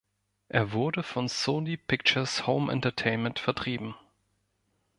Er wurde von Sony Pictures Home Entertainment vertrieben.